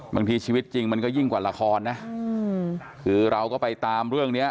ชีวิตจริงมันก็ยิ่งกว่าละครนะคือเราก็ไปตามเรื่องเนี้ย